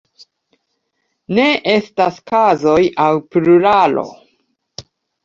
Ne estas kazoj aŭ pluralo.